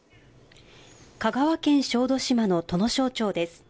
香川県小豆島の土庄町です。